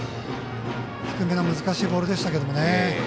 低めの難しいボールでしたけどね。